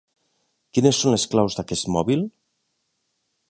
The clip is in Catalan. Quines són les claus d'aquest mòbil?